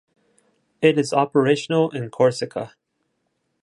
It is operational in Corsica.